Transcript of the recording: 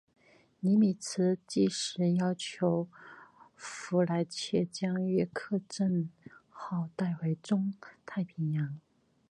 尼米兹即时要求弗莱彻将约克镇号带回中太平洋。